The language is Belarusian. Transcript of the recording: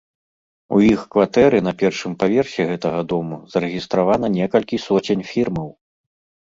У іх кватэры на першым паверсе гэтага дому зарэгістравана некалькі соцень фірмаў!